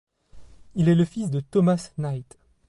Il est le fils de Thomas Knight.